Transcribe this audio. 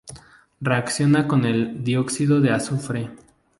Reacciona con el dióxido de azufre.